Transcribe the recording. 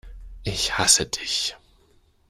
Ich hasse Dich!